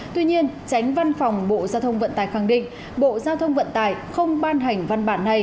tuy nhiên tránh văn phòng bộ giao thông vận tài khẳng định bộ giao thông vận tài không ban hành văn bản